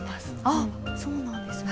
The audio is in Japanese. あっそうなんですね。